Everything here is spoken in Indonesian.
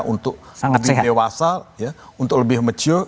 untuk lebih dewasa untuk lebih mature